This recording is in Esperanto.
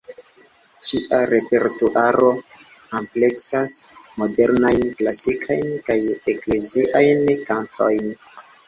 Ŝia repertuaro ampleksas modernajn, klasikajn kaj ekleziajn kantojn.